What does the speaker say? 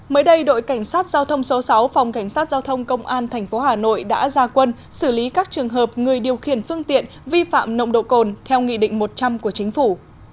mới đây đội cảnh sát giao thông số sáu phòng cảnh sát giao thông công an tp hà nội đã ra quân xử lý các trường hợp người điều khiển phương tiện vi phạm nồng độ cồn theo nghị định một trăm linh của chính phủ